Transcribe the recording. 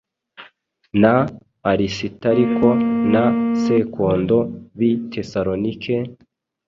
na Arisitariko na Sekondo b’i Tesalonike,